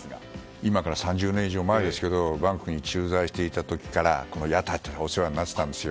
今から３０年以上前ですけどバンコクに駐在していた時から屋台というのはお世話になっていたんですよ。